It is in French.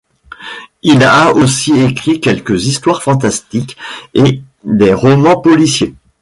Il a aussi écrit quelques histoires fantastiques et des romans policiers.